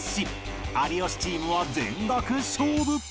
有吉チームは全額勝負